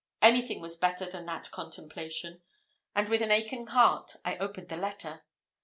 Anything was better than that contemplation; and with an aching heart, I opened the letter.